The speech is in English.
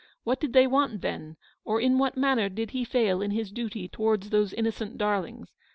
TVhat did they want, then, or in what manner did he fail in his duty towards those innocent dar lings